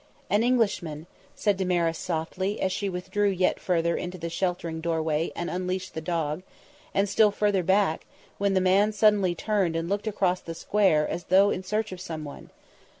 "An Englishman," said Damaris softly as she withdrew yet further into the sheltering doorway and unleashed the dog; and still further back, when the man suddenly turned and looked across the Square as though in search of someone.